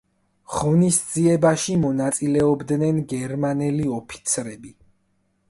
ღონისძიებაში მონაწილეობდნენ გერმანელი ოფიცრები.